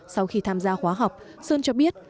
sau khi tham gia khóa học sơn cho biết